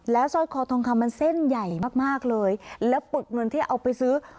สร้อยคอทองคำมันเส้นใหญ่มากมากเลยแล้วปึกเงินที่เอาไปซื้อ